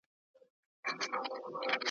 د صبر کاسه درنه ده ,